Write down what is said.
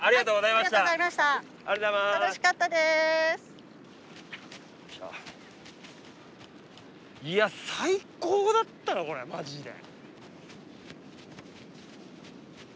いや最高だったなこれマジで。